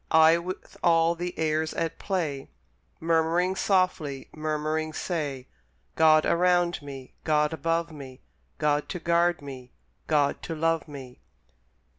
I, with all the airs at play, Murmuring softly, murmuring say, "God around me, God above me, God to guard me, God to love me."